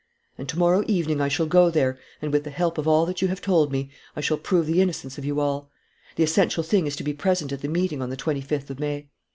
And to morrow evening I shall go there and, with the help of all that you have told me, I shall prove the innocence of you all. The essential thing is to be present at the meeting on the twenty fifth of May."